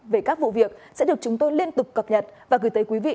về các vụ việc sẽ được chúng tôi liên tục cập nhật và gửi tới quý vị